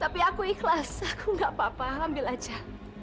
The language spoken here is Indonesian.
tapi aku ikhlas aku gak apa apa ambil aja